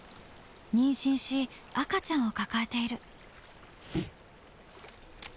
妊娠し赤ちゃんを抱えている。